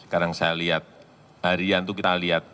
kadang saya lihat harian itu kita lihat